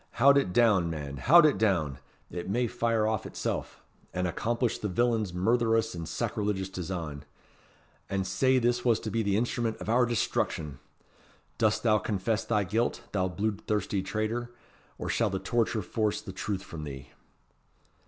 Haud it down, man! haud it down! it may fire off of itsel', and accomplish the villain's murtherous and sacrilegious design. And sae this was to be the instrument of our destruction! Dost thou confess thy guilt, thou bluid thirsty traitor, or shall the torture force the truth from thee?"